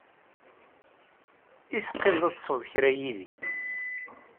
I teqqimed ad teswed kra yid-i?